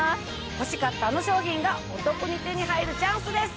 欲しかったあの商品がお得に手に入るチャンスです。